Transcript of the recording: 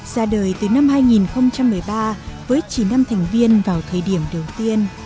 ra đời từ năm hai nghìn một mươi ba với chỉ năm thành viên vào thời điểm đầu tiên